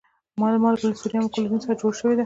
مالګه له سودیم او کلورین څخه جوړه شوی ده